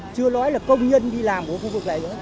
chưa nói là công nhân đi làm của khu vực này nữa